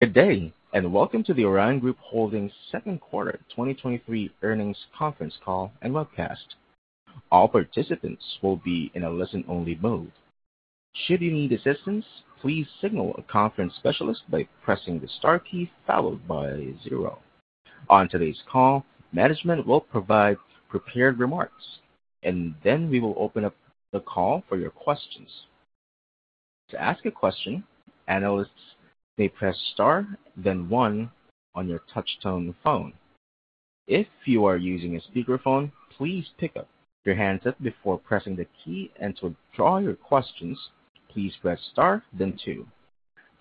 Good day, and welcome to the Orion Group Holdings second quarter 2023 earnings conference call and webcast. All participants will be in a listen-only mode. Should you need assistance, please signal a conference specialist by pressing the star key followed by 0. On today's call, management will provide prepared remarks, and then we will open up the call for your questions. To ask a question, analysts may press star, then one on your touch-tone phone. If you are using a speakerphone, please pick up your handset before pressing the key, and to withdraw your questions, please press star then two.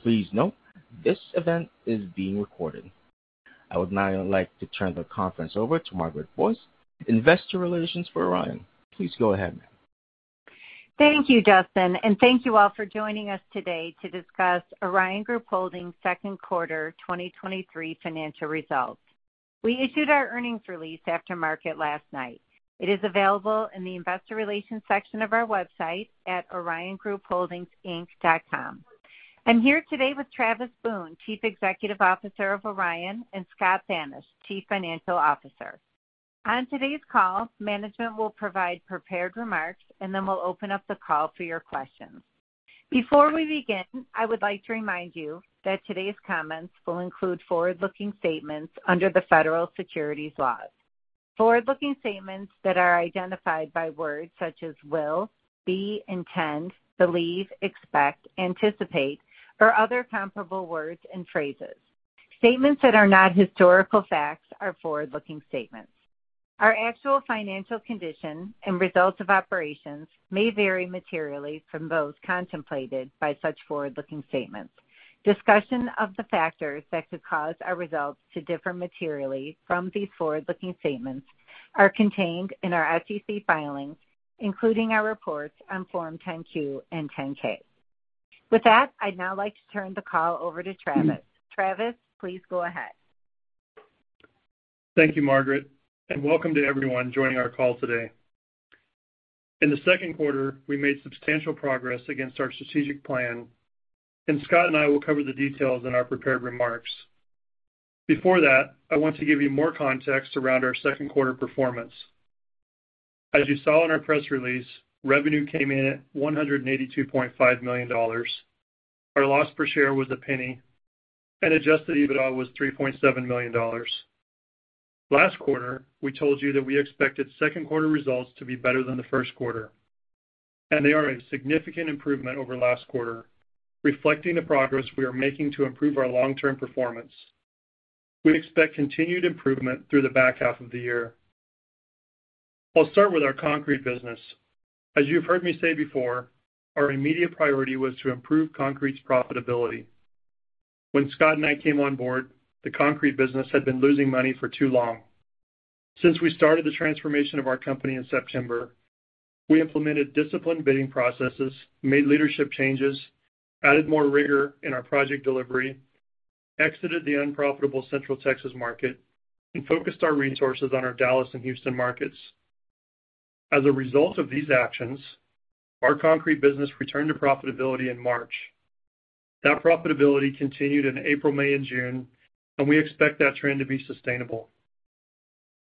Please note, this event is being recorded. I would now like to turn the conference over to Margaret Boyce, investor relations for Orion. Please go ahead. Thank you, Justin, and thank you all for joining us today to discuss Orion Group Holdings' second quarter 2023 financial results. We issued our earnings release after market last night. It is available in the investor relations section of our website at oriongroupholdingsinc.com. I'm here today with Travis Boone, Chief Executive Officer of Orion, and Scott Thanisch, Chief Financial Officer. On today's call, management will provide prepared remarks, and then we'll open up the call for your questions. Before we begin, I would like to remind you that today's comments will include forward-looking statements under the Federal Securities laws. Forward-looking statements that are identified by words such as will, be, intend, believe, expect, anticipate, or other comparable words and phrases. Statements that are not historical facts are forward-looking statements. Our actual financial condition and results of operations may vary materially from those contemplated by such forward-looking statements. Discussion of the factors that could cause our results to differ materially from these forward-looking statements are contained in our SEC filings, including our reports on Form 10-Q and 10-K. With that, I'd now like to turn the call over to Travis. Travis, please go ahead. Thank you, Margaret. Welcome to everyone joining our call today. In the second quarter, we made substantial progress against our strategic plan, and Scott and I will cover the details in our prepared remarks. Before that, I want to give you more context around our second quarter performance. As you saw in our press release, revenue came in at $182.5 million. Our loss per share was a penny, and adjusted EBITDA was $3.7 million. Last quarter, we told you that we expected second quarter results to be better than the first quarter, and they are a significant improvement over last quarter, reflecting the progress we are making to improve our long-term performance. We expect continued improvement through the back half of the year. I'll start with our concrete business. As you've heard me say before, our immediate priority was to improve concrete's profitability. When Scott and I came on board, the concrete business had been losing money for too long. Since we started the transformation of our company in September, we implemented disciplined bidding processes, made leadership changes, added more rigor in our project delivery, exited the unprofitable Central Texas market, and focused our resources on our Dallas and Houston markets. As a result of these actions, our concrete business returned to profitability in March. That profitability continued in April, May, and June, and we expect that trend to be sustainable.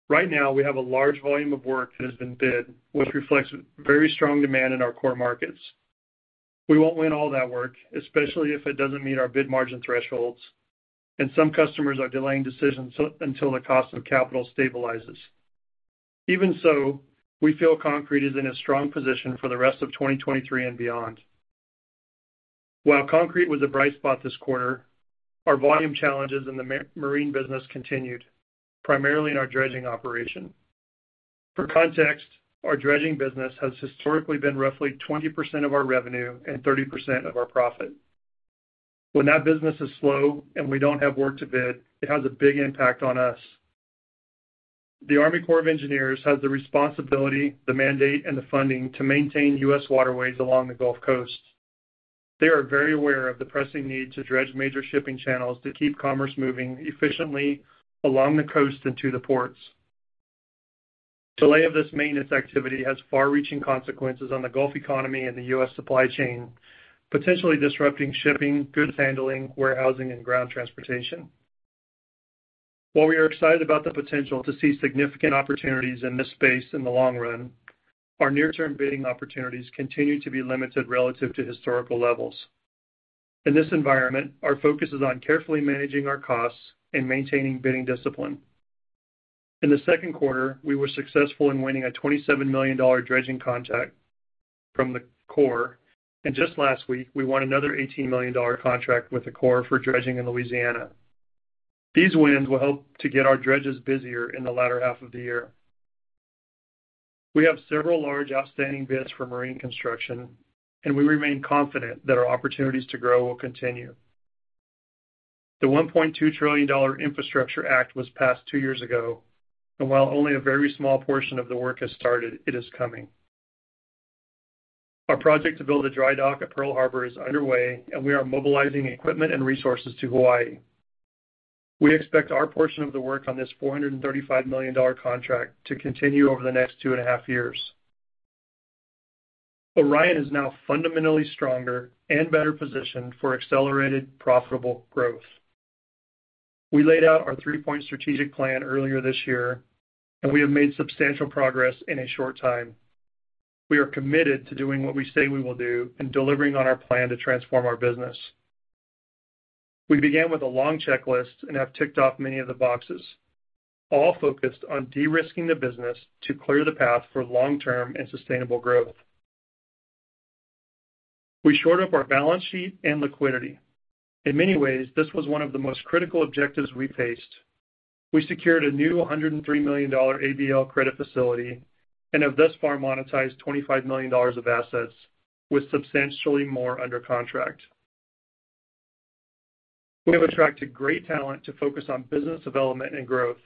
Right now, we have a large volume of work that has been bid, which reflects very strong demand in our core markets. We won't win all that work, especially if it doesn't meet our bid margin thresholds. Some customers are delaying decisions until the cost of capital stabilizes. Even so, we feel concrete is in a strong position for the rest of 2023 and beyond. While concrete was a bright spot this quarter, our volume challenges in the marine business continued, primarily in our dredging operation. For context, our dredging business has historically been roughly 20% of our revenue and 30% of our profit. When that business is slow and we don't have work to bid, it has a big impact on us. The Army Corps of Engineers has the responsibility, the mandate, and the funding to maintain U.S. waterways along the Gulf Coast. They are very aware of the pressing need to dredge major shipping channels to keep commerce moving efficiently along the coast and to the ports. Delay of this maintenance activity has far-reaching consequences on the Gulf economy and the U.S. supply chain, potentially disrupting shipping, goods handling, warehousing, and ground transportation. While we are excited about the potential to see significant opportunities in this space in the long run, our near-term bidding opportunities continue to be limited relative to historical levels. In this environment, our focus is on carefully managing our costs and maintaining bidding discipline. In the second quarter, we were successful in winning a $27 million dredging contract from the Corps, and just last week, we won another $18 million contract with the Corps for dredging in Louisiana. These wins will help to get our dredges busier in the latter half of the year. We have several large outstanding bids for marine construction, and we remain confident that our opportunities to grow will continue. The $1.2 trillion Infrastructure Act was passed two years ago, and while only a very small portion of the work has started, it is coming. Our project to build a dry dock at Pearl Harbor is underway, and we are mobilizing equipment and resources to Hawaii. We expect our portion of the work on this $435 million contract to continue over the next two and a half years. Orion is now fundamentally stronger and better positioned for accelerated, profitable growth. We laid out our three-point strategic plan earlier this year, and we have made substantial progress in a short time. We are committed to doing what we say we will do and delivering on our plan to transform our business. We began with a long checklist and have ticked off many of the boxes, all focused on de-risking the business to clear the path for long-term and sustainable growth. We shored up our balance sheet and liquidity. In many ways, this was one of the most critical objectives we faced. We secured a new $103 million ABL credit facility and have thus far monetized $25 million of assets, with substantially more under contract. We have attracted great talent to focus on business development and growth.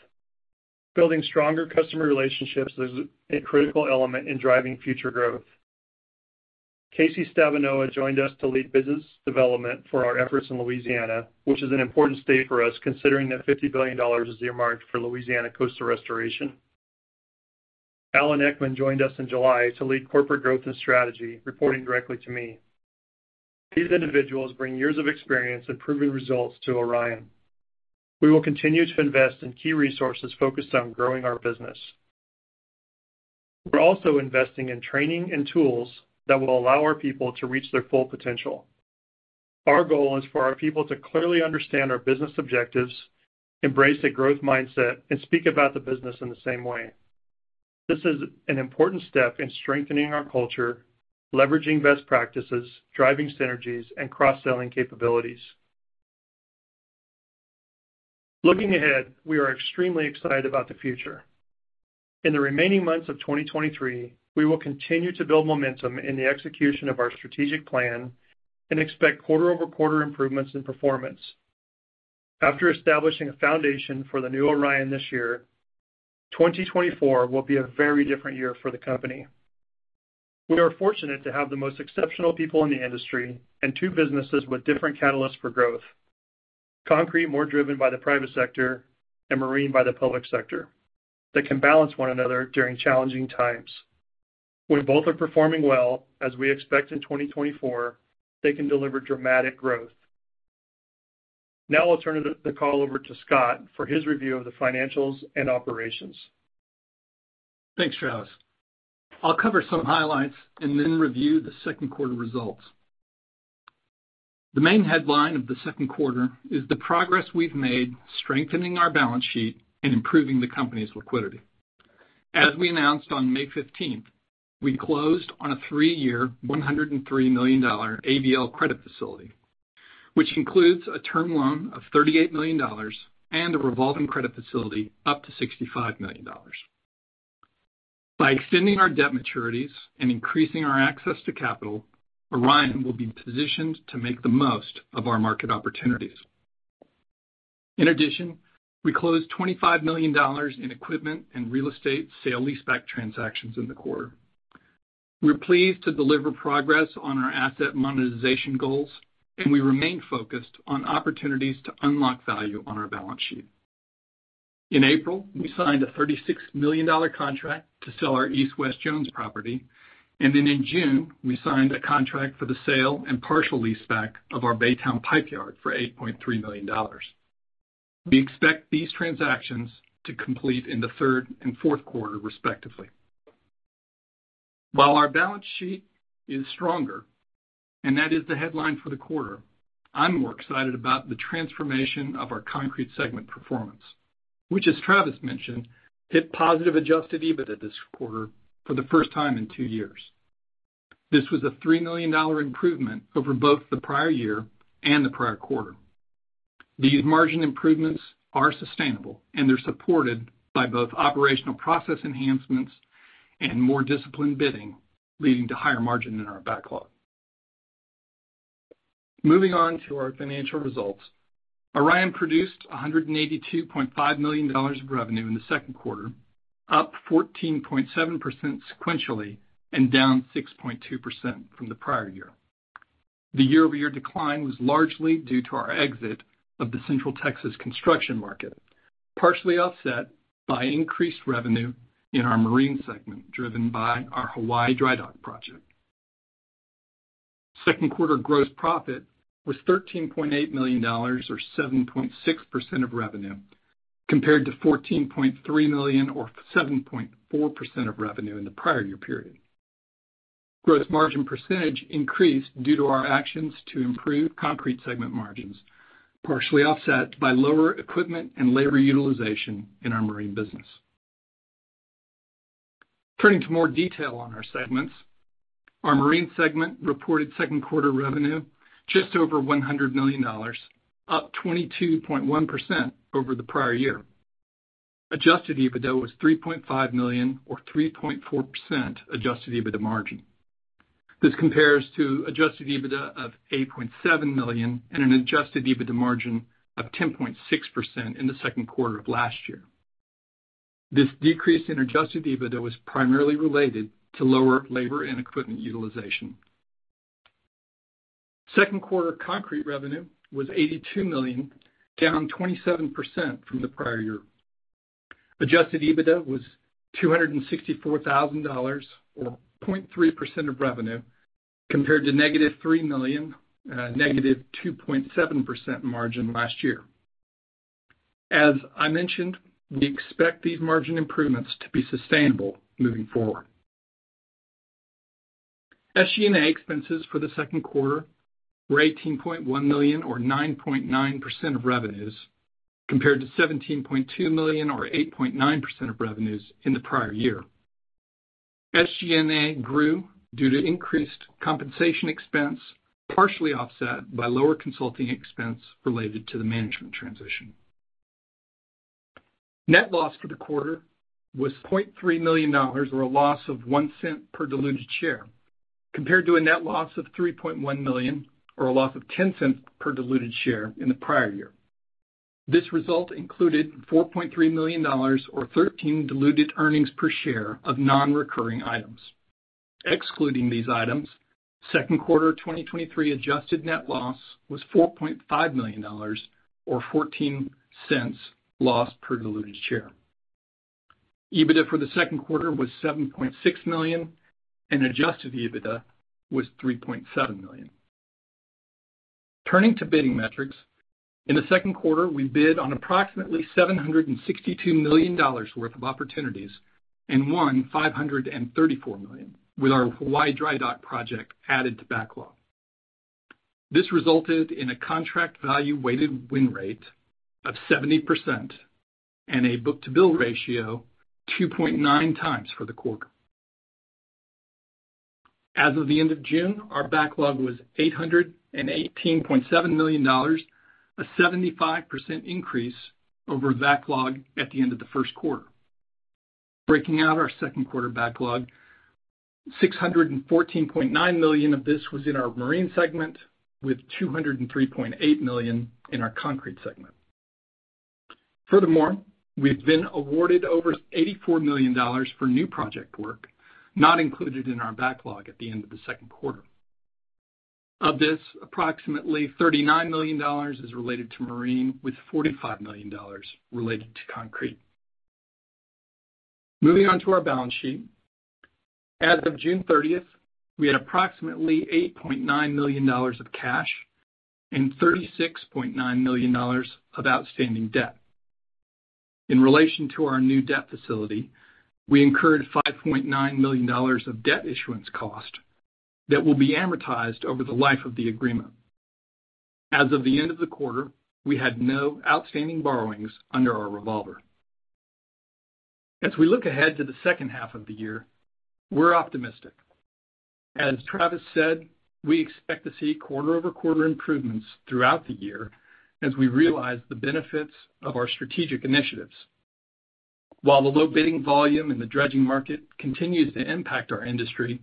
Building stronger customer relationships is a critical element in driving future growth. Kasey Stabenow has joined us to lead business development for our efforts in Louisiana, which is an important state for us, considering that $50 billion is earmarked for Louisiana coastal restoration. Alan Eckman joined us in July to lead corporate growth and strategy, reporting directly to me. These individuals bring years of experience and proven results to Orion. We will continue to invest in key resources focused on growing our business. We're also investing in training and tools that will allow our people to reach their full potential. Our goal is for our people to clearly understand our business objectives, embrace a growth mindset, and speak about the business in the same way. This is an important step in strengthening our culture, leveraging best practices, driving synergies, and cross-selling capabilities. Looking ahead, we are extremely excited about the future. In the remaining months of 2023, we will continue to build momentum in the execution of our strategic plan and expect quarter-over-quarter improvements in performance. After establishing a foundation for the new Orion this year, 2024 will be a very different year for the company. We are fortunate to have the most exceptional people in the industry and two businesses with different catalysts for growth. Concrete, more driven by the private sector, and marine by the public sector, that can balance one another during challenging times. When both are performing well, as we expect in 2024, they can deliver dramatic growth. I'll turn the call over to Scott for his review of the financials and operations. Thanks, Travis. I'll cover some highlights and review the second quarter results. The main headline of the second quarter is the progress we've made strengthening our balance sheet and improving the company's liquidity. As we announced on May 15th, we closed on a three-year, $103 million ABL credit facility, which includes a term loan of $38 million and a revolving credit facility up to $65 million. By extending our debt maturities and increasing our access to capital, Orion will be positioned to make the most of our market opportunities. In addition, we closed $25 million in equipment and real estate sale-leaseback transactions in the quarter. We're pleased to deliver progress on our asset monetization goals, we remain focused on opportunities to unlock value on our balance sheet. In April, we signed a $36 million contract to sell our East & West Jones property, and then in June, we signed a contract for the sale and partial leaseback of our Baytown Pipe Yard for $8.3 million. We expect these transactions to complete in the third and fourth quarter, respectively. While our balance sheet is stronger, and that is the headline for the quarter, I'm more excited about the transformation of our concrete segment performance, which, as Travis mentioned, hit positive adjusted EBITDA this quarter for the first time in two years. This was a $3 million improvement over both the prior year and the prior quarter. These margin improvements are sustainable, and they're supported by both operational process enhancements and more disciplined bidding, leading to higher margin in our backlog. Moving on to our financial results. Orion produced $182.5 million of revenue in the second quarter, up 14.7 sequentially, and down 6.2% from the prior year. The year-over-year decline was largely due to our exit of the Central Texas construction market, partially offset by increased revenue in our marine segment, driven by our Hawaii Dry Dock project. Second quarter gross profit was $13.8 million, or 7.6% of revenue, compared to $14.3 million, or 7.4% of revenue in the prior year period. Gross margin percentage increased due to our actions to improve concrete segment margins, partially offset by lower equipment and labor utilization in our marine business. Turning to more detail on our segments, our marine segment reported second quarter revenue just over $100 million, up 22.1% over the prior year. adjusted EBITDA was $3.5 million or 3.4% adjusted EBITDA margin. This compares to adjusted EBITDA of $8.7 million and an adjusted EBITDA margin of 10.6% in the second quarter of last year. This decrease in adjusted EBITDA was primarily related to lower labor and equipment utilization. Second quarter concrete revenue was $82 million, down 27% from the prior year. adjusted EBITDA was $264,000, or 0.3% of revenue, compared to negative $3 million, negative 2.7% margin last year. As I mentioned, we expect these margin improvements to be sustainable moving forward. SG&A expenses for the second quarter were $18.1 million or 9.9% of revenues, compared to $17.2 million or 8.9% of revenues in the prior year. SG&A grew due to increased compensation expense, partially offset by lower consulting expense related to the management transition. Net loss for the quarter was $0.3 million or a loss of $0.01 per diluted share, compared to a net loss of $3.1 million, or a loss of $0.10 per diluted share in the prior year. This result included $4.3 million, or 13 diluted earnings per share, of non-recurring items. Excluding these items, second quarter 2023 adjusted net loss was $4.5 million or $0.14 loss per diluted share. EBITDA for the second quarter was $7.6 million, and adjusted EBITDA was $3.7 million. Turning to bidding metrics, in the second quarter, we bid on approximately $762 million worth of opportunities and won $534 million, with our Hawaii Dry Dock Project added to backlog. This resulted in a contract value weighted win rate of 70% and a book-to-bill ratio 2.9x for the quarter. As of the end of June, our backlog was $818.7 million, a 75% increase over backlog at the end of the first quarter. Breaking out our second quarter backlog, $614.9 million of this was in our marine segment, with $203.8 million in our concrete segment. We've been awarded over $84 million for new project work, not included in our backlog at the end of the second quarter. Of this, approximately $39 million is related to marine, with $45 million related to concrete. Moving on to our balance sheet. As of June 30th, we had approximately $8.9 million of cash and $36.9 million of outstanding debt. In relation to our new debt facility, we incurred $5.9 million of debt issuance cost that will be amortized over the life of the agreement. As of the end of the quarter, we had no outstanding borrowings under our revolver. As we look ahead to the second half of the year, we're optimistic. As Travis said, we expect to see quarter-over-quarter improvements throughout the year as we realize the benefits of our strategic initiatives. While the low bidding volume in the dredging market continues to impact our industry,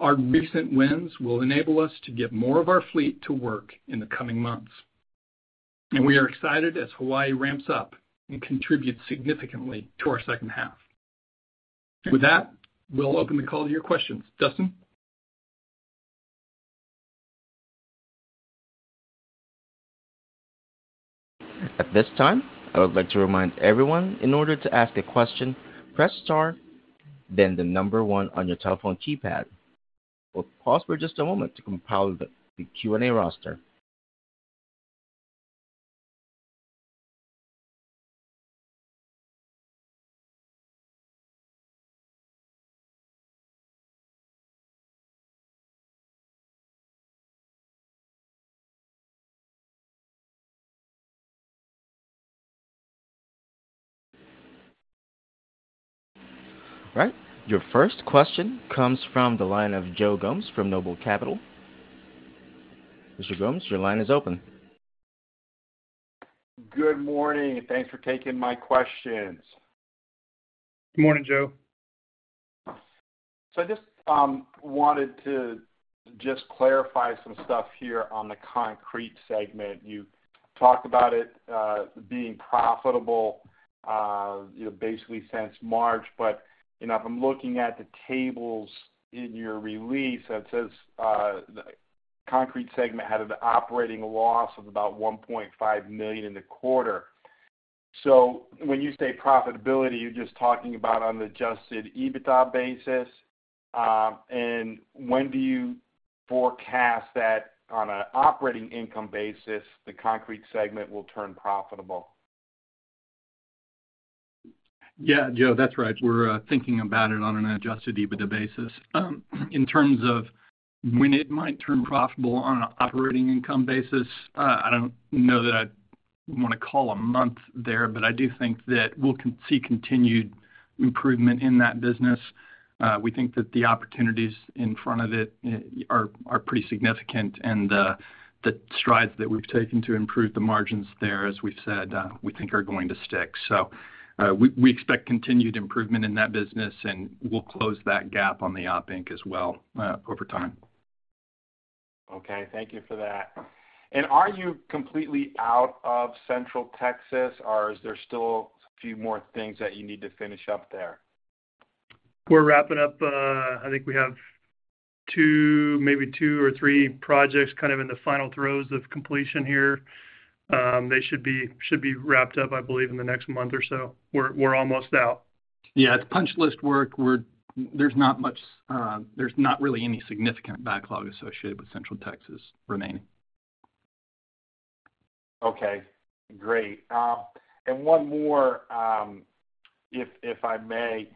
our recent wins will enable us to get more of our fleet to work in the coming months. We are excited as Hawaii ramps up and contributes significantly to our second half. With that, we'll open the call to your questions. Justin? At this time, I would like to remind everyone, in order to ask a question, press Star, then the number one on your telephone keypad. We'll pause for just a moment to compile the Q&A roster. Right. Your first question comes from the line of Joe Gomes from Noble Capital. Mr. Gomes, your line is open. Good morning, and thanks for taking my questions. Good morning, Joe. I just wanted to just clarify some stuff here on the concrete segment. You talked about it being profitable, you know, basically since March, but, you know, if I'm looking at the tables in your release, it says the concrete segment had an operating loss of about $1.5 million in the quarter. When you say profitability, you're just talking about on an adjusted EBITDA basis? When do you forecast that on an operating income basis, the concrete segment will turn profitable? Yeah, Joe, that's right. We're thinking about it on an adjusted EBITDA basis. In terms of when it might turn profitable on an operating income basis, I don't know that I want to call a month there, but I do think that we'll see continued improvement in that business. We think that the opportunities in front of it, are pretty significant, and the strides that we've taken to improve the margins there, as we've said, we think are going to stick. We expect continued improvement in that business, and we'll close that gap on the op inc as well, over time. Okay, thank you for that. Are you completely out of Central Texas, or is there still a few more things that you need to finish up there? We're wrapping up, I think we have two, maybe two or three projects kind of in the final throes of completion here. They should be wrapped up, I believe, in the next month or so. We're almost out. Yeah, it's punch list work. There's not much, there's not really any significant backlog associated with Central Texas remaining. Okay, great. One more, if I may.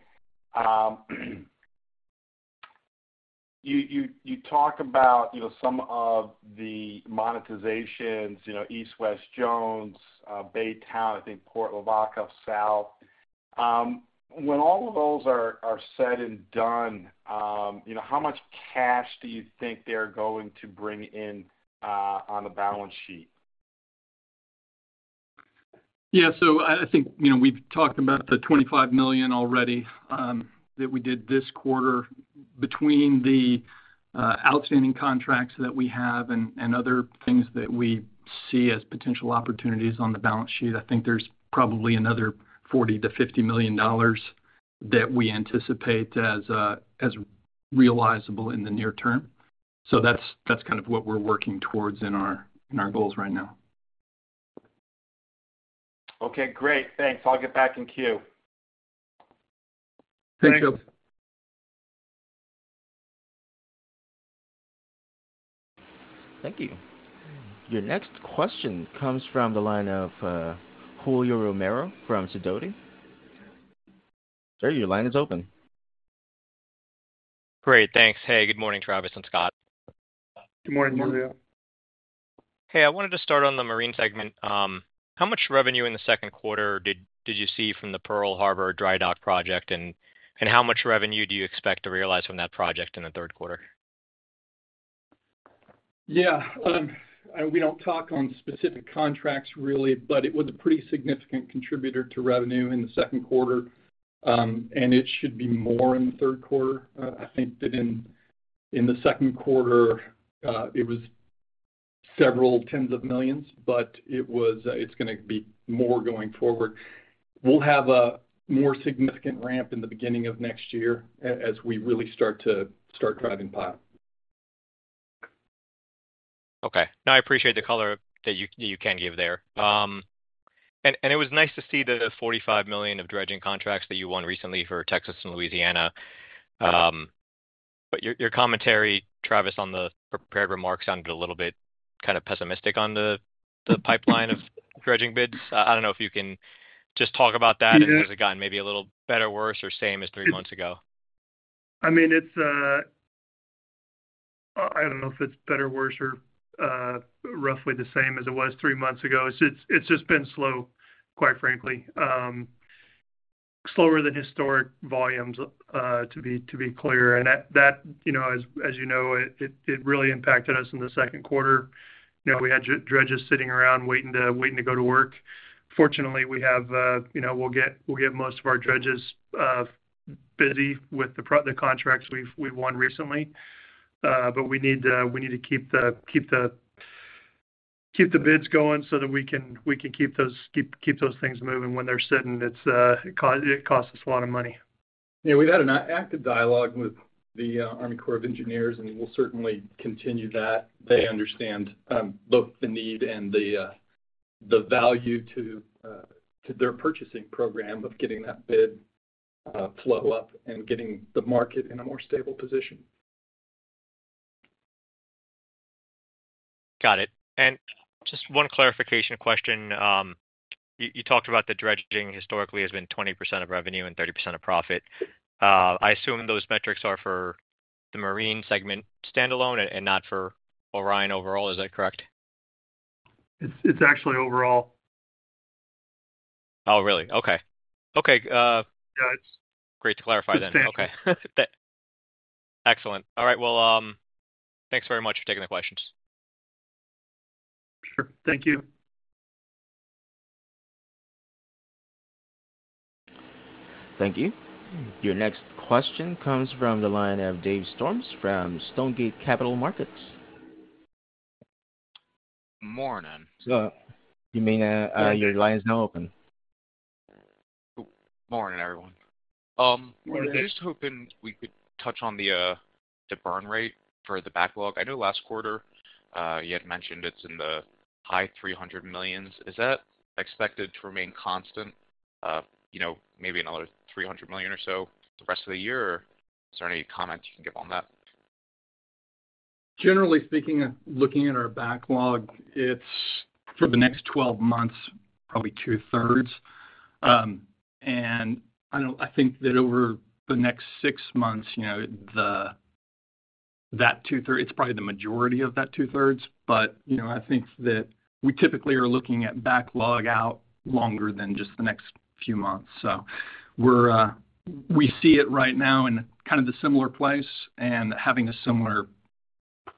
You talk about, you know, some of the monetizations, you know, East West Jones, Baytown, I think, Port Lavaca South. When all of those are said and done, you know, how much cash do you think they're going to bring in on the balance sheet? Yeah. I think, you know, we've talked about the $25 million already that we did this quarter. Between the outstanding contracts that we have and other things that we see as potential opportunities on the balance sheet, I think there's probably another $40 million-$50 million that we anticipate as realizable in the near term. That's kind of what we're working towards in our, in our goals right now. Okay, great. Thanks. I'll get back in queue. Thanks. Thanks. Thank you. Your next question comes from the line of Julio Romero from Sidoti. Sir, your line is open. Great. Thanks. Hey, good morning, Travis and Scott. Good morning, Julio. Good morning. Hey, I wanted to start on the marine segment. How much revenue in the second quarter did you see from the Pearl Harbor Dry Dock Project, and how much revenue do you expect to realize from that project in the third quarter? We don't talk on specific contracts really, but it was a pretty significant contributor to revenue in the second quarter. It should be more in the third quarter. I think that in the second quarter, it was several tens of millions, but it's gonna be more going forward. We'll have a more significant ramp in the beginning of next year as we really start driving pile. Okay. No, I appreciate the color that you, you can give there. It was nice to see the $45 million of dredging contracts that you won recently for Texas and Louisiana. Your commentary, Travis, on the prepared remarks, sounded a little bit kind of pessimistic on the, the pipeline of dredging bids. I don't know if you can just talk about that? Yeah Has it gotten maybe a little better, worse, or same as three months ago? I mean, it's, I don't know if it's better, worse, or, roughly the same as it was three months ago. It's just, it's just been slow, quite frankly. Slower than historic volumes, to be clear. That, you know, as, as you know, it really impacted us in the second quarter. You know, we had dredges sitting around waiting to go to work. Fortunately, we have, you know, we'll get most of our dredges busy with the contracts we've won recently. We need to keep the bids going so that we can keep those things moving. When they're sitting, it costs us a lot of money. we've had an active dialogue with the Army Corps of Engineers, and we'll certainly continue that. They understand both the need and the value to their purchasing program of getting that bid flow up and getting the market in a more stable position. Got it. Just one clarification question. You talked about the dredging historically has been 20% of revenue and 30% of profit. I assume those metrics are for the marine segment standalone and not for Orion overall. Is that correct? It's actually overall. Oh, really? Okay. Okay. Yeah. Great to clarify then. Thank you. Okay. Excellent. All right. Well, thanks very much for taking the questions. Sure. Thank you. Thank you. Your next question comes from the line of Dave Storms from Stonegate Capital Markets. Morning. you may, Yeah your line is now open. Morning, everyone. Morning. I was just hoping we could touch on the burn rate for the backlog. I know last quarter, you had mentioned it's in the high $300 million. Is that expected to remain constant? you know, maybe another $300 million or so the rest of the year, or is there any comment you can give on that? Generally speaking, looking at our backlog, it's for the next 12 months, probably 2/3. I think that over the next six months, you know, that 2/3. It's probably the majority of that 2/3, but, you know, I think that we typically are looking at backlog out longer than just the next few months. We're, we see it right now in kind of the similar place and having a similar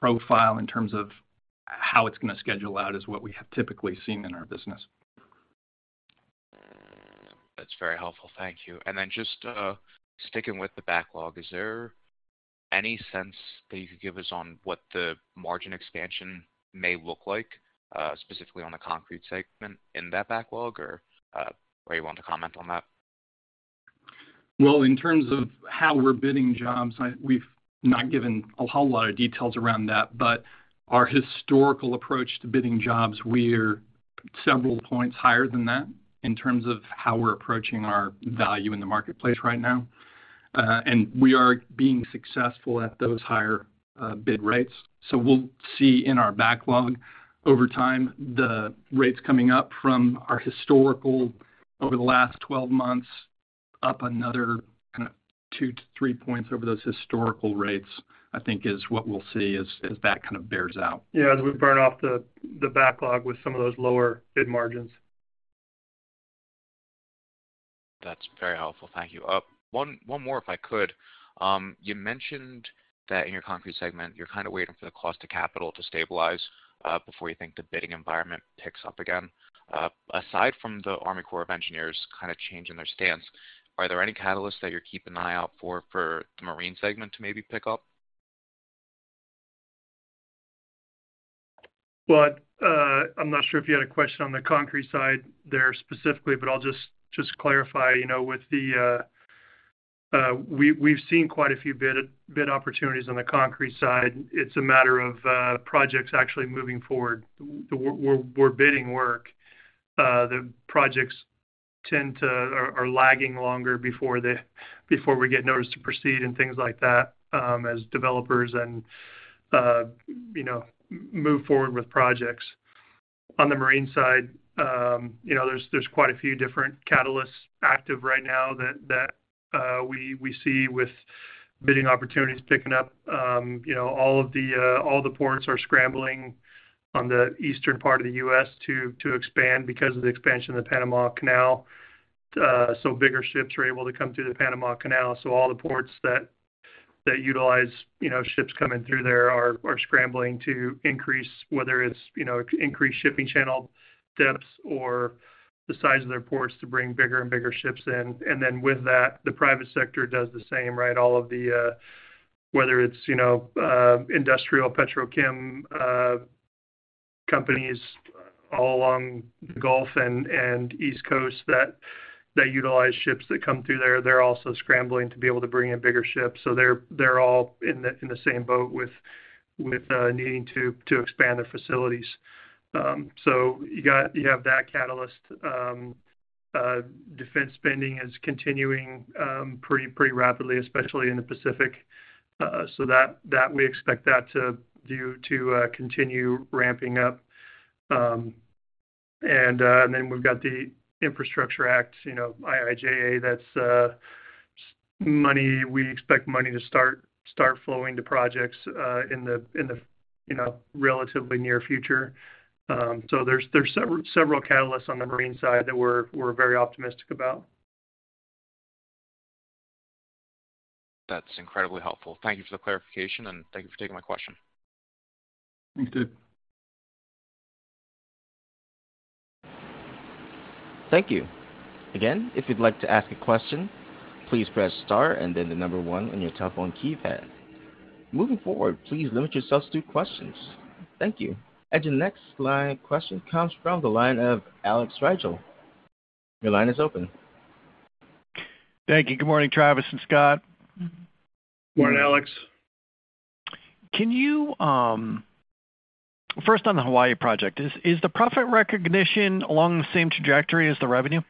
profile in terms of how it's going to schedule out, is what we have typically seen in our business. That's very helpful. Thank you. Then just sticking with the backlog, is there any sense that you could give us on what the margin expansion may look like specifically on the concrete segment in that backlog, or are you willing to comment on that? In terms of how we're bidding jobs, we've not given a whole lot of details around that, but our historical approach to bidding jobs, we're several points higher than that in terms of how we're approaching our value in the marketplace right now. We are being successful at those higher bid rates. We'll see in our backlog over time, the rates coming up from our historical over the last 12 months, up another kind of 2-3 points over those historical rates, I think, is what we'll see as that kind of bears out. Yeah, as we burn off the backlog with some of those lower bid margins. That's very helpful. Thank you. One more, if I could. You mentioned that in your concrete segment, you're kind of waiting for the cost to capital to stabilize, before you think the bidding environment picks up again. Aside from the Army Corps of Engineers kind of changing their stance, are there any catalysts that you're keeping an eye out for, for the marine segment to maybe pick up? I'm not sure if you had a question on the concrete side there specifically, but I'll just clarify. You know, with the... We've seen quite a few bid opportunities on the concrete side. It's a matter of projects actually moving forward. We're bidding work. The projects tend to are lagging longer before they, before we get notice to proceed and things like that, as developers and, you know, move forward with projects. On the marine side, you know, there's quite a few different catalysts active right now that, that we see with bidding opportunities picking up. You know, all of the all the ports are scrambling on the eastern part of the U.S. to expand because of the expansion of the Panama Canal. Bigger ships are able to come through the Panama Canal. All the ports that utilize, you know, ships coming through there are scrambling to increase, whether it's, you know, increase shipping channel depths or the size of their ports to bring bigger and bigger ships in. With that, the private sector does the same, right? All of the, whether it's, you know, industrial petrochem companies all along the Gulf and East Coast that utilize ships that come through there, they're also scrambling to be able to bring in bigger ships. They're all in the same boat with needing to expand their facilities. You have that catalyst. Defense spending is continuing pretty rapidly, especially in the Pacific. That we expect that to continue ramping up. We've got the Infrastructure Act, you know, IIJA, that's money. We expect money to start flowing to projects in the, you know, relatively near future. There's several catalysts on the marine side that we're very optimistic about. That's incredibly helpful. Thank you for the clarification, thank you for taking my question. Thanks, dude. Thank you. Again, if you'd like to ask a question, please press Star and then the number one on your telephone keypad. Moving forward, please limit yourselves to two questions. Thank you. The next question comes from the line of Alex Rygiel. Your line is open. Thank you. Good morning, Travis and Scott. Good morning, Alex. Can you. First, on the Hawaii project, is the profit recognition along the same trajectory as the revenue?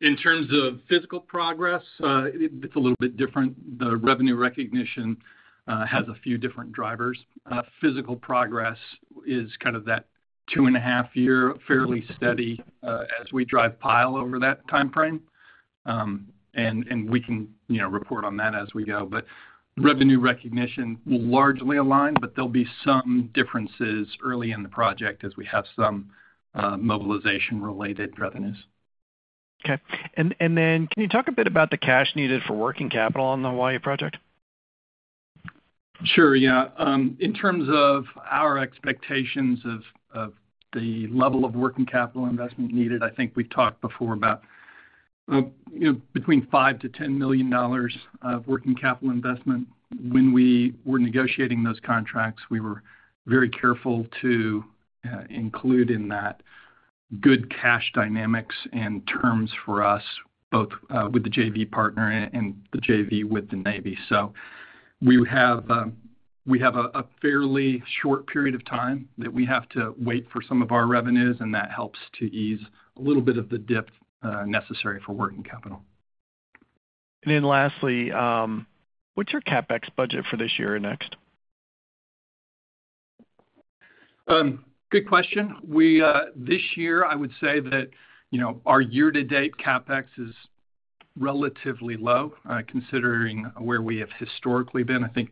In terms of physical progress, it's a little bit different. The revenue recognition has a few different drivers. Physical progress is kind of that two-and-a-half year, fairly steady, as we drive pile over that timeframe. And we can, you know, report on that as we go. Revenue recognition will largely align, but there'll be some differences early in the project as we have some mobilization related revenues. Okay. Then can you talk a bit about the cash needed for working capital on the Hawaii project? Sure. Yeah. In terms of our expectations of the level of working capital investment needed, I think we've talked before about, you know, between $5 million-$10 million of working capital investment. When we were negotiating those contracts, we were very careful to include in that good cash dynamics and terms for us, both with the JV partner and the JV with the Navy. We have a fairly short period of time that we have to wait for some of our revenues, and that helps to ease a little bit of the dip necessary for working capital. Lastly, what's your CapEx budget for this year or next? Good question. We, this year, I would say that, you know, our year-to-date CapEx is relatively low, considering where we have historically been. I think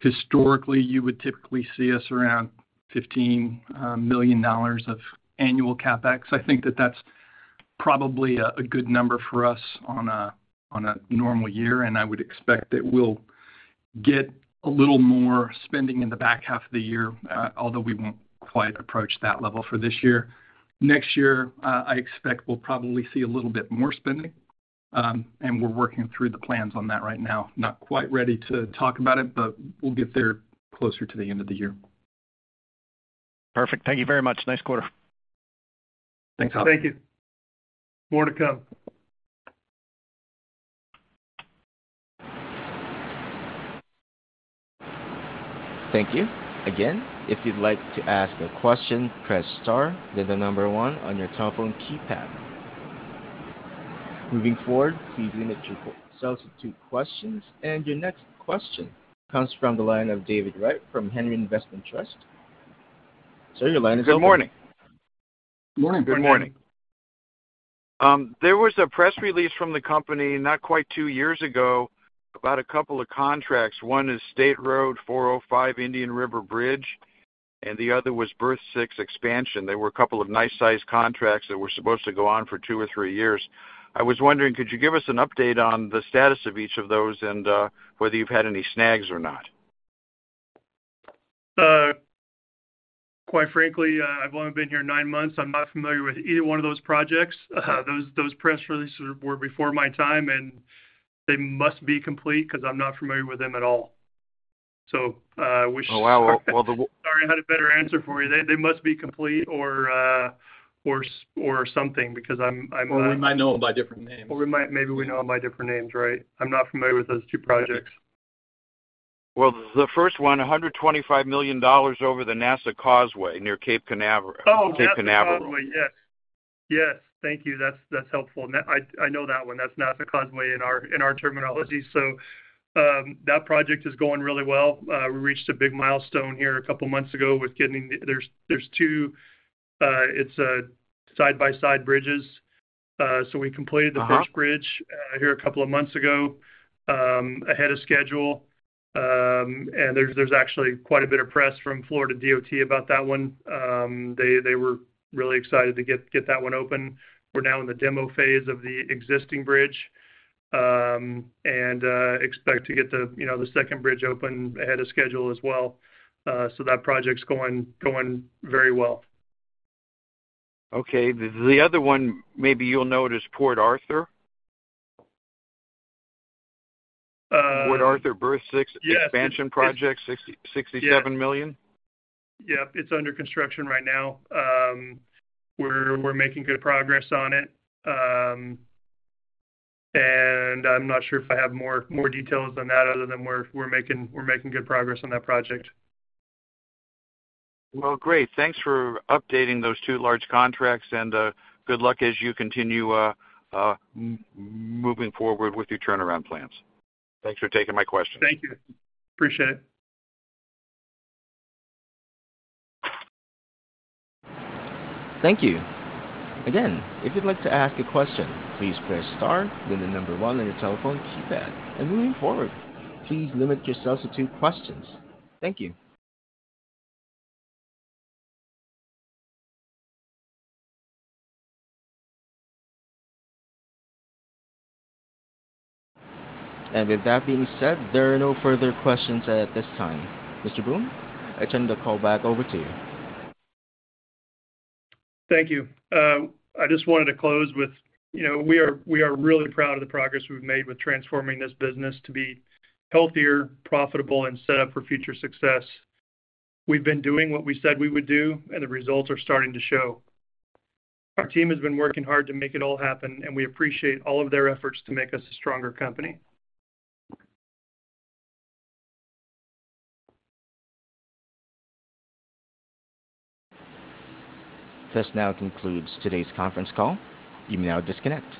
historically, you would typically see us around $15 million of annual CapEx. I think that that's probably a good number for us on a normal year, and I would expect that we'll get a little more spending in the back half of the year, although we won't quite approach that level for this year. Next year, I expect we'll probably see a little bit more spending, and we're working through the plans on that right now. Not quite ready to talk about it, but we'll get there closer to the end of the year. Perfect. Thank you very much. Nice quarter. Thanks. Thank you. More to come. Thank you. Again, if you'd like to ask a question, press Star, then the number one on your telephone keypad. Moving forward, please limit yourself to two questions. Your next question comes from the line of David Wright from Henry Investment Trust. Sir, your line is open. Good morning. Good morning. Good morning. There was a press release from the company, not quite two years ago, about a couple of contracts. One is State Road 405 Indian River Bridge. The other was Berth six Expansion. They were a couple of nice-sized contracts that were supposed to go on for two or three years. I was wondering, could you give us an update on the status of each of those, whether you've had any snags or not? Quite frankly, I've only been here nine months. I'm not familiar with either one of those projects. Those press releases were before my time, they must be complete because I'm not familiar with them at all. Oh, wow! Well, Sorry, I had a better answer for you. They must be complete or something, because I'm. We might know them by different names. Maybe we know them by different names, right? I'm not familiar with those two projects. Well, the first one, $125 million over the NASA Causeway, near Cape Canaveral. NASA Causeway. Yes. Yes, thank you. That's helpful. I know that one. That's NASA Causeway in our terminology. That project is going really well. We reached a big milestone here a couple months ago. There's two, it's side-by-side bridges. Uh-huh... the first bridge here a couple of months ago, ahead of schedule. There's actually quite a bit of press from Florida DOT about that one. They were really excited to get that one open. We're now in the demo phase of the existing bridge, and expect to get the, you know, the second bridge open ahead of schedule as well. That project's going very well. Okay. The other one, maybe you'll know it as Port Arthur. Uh- Port Arthur Berth 6. Yes... expansion project, $67 million. Yeah. It's under construction right now. We're making good progress on it. I'm not sure if I have more details than that other than we're making good progress on that project. Well, great. Thanks for updating those two large contracts, and good luck as you continue moving forward with your turnaround plans. Thanks for taking my question. Thank you. Appreciate it. Thank you. Again, if you'd like to ask a question, please press star, then the number one on your telephone keypad. Moving forward, please limit yourselves to two questions. Thank you. With that being said, there are no further questions at this time. Mr. Boone, I turn the call back over to you. Thank you. I just wanted to close with, you know, we are really proud of the progress we've made with transforming this business to be healthier, profitable, and set up for future success. We've been doing what we said we would do, and the results are starting to show. Our team has been working hard to make it all happen, and we appreciate all of their efforts to make us a stronger company. This now concludes today's conference call. You may now disconnect.